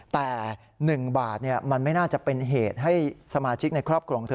แต่๑บาทมันไม่น่าจะเป็นเหตุให้สมาชิกในครอบครัวของเธอ